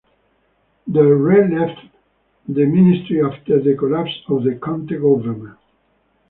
Del Re left the ministry after the collapse of the Conte government.